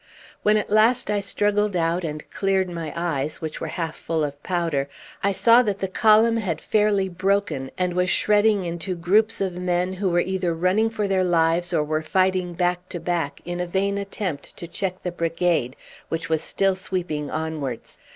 When at last I struggled out, and cleared my eyes, which were half full of powder, I saw that the column had fairly broken, and was shredding into groups of men, who were either running for their lives or were fighting back to back in a vain attempt to check the brigade, which was still sweeping onwards.